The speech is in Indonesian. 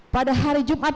pada hari jumat